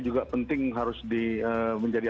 juga penting harus menjadi